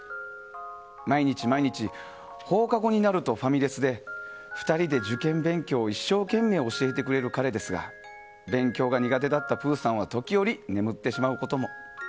毎日毎日、放課後になるとファミレスで２人で受験勉強一生懸命教えてくれる彼ですが勉強が苦手だったぷぅさんは時折、眠ってしまうことも。